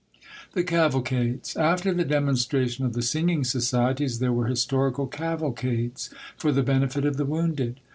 THE CAVALCADES. After the demonstration of the singing socie ties, there were historical cavalcades for the benefit of the wounded.